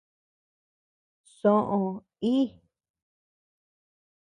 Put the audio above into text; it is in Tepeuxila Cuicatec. Soʼö íi.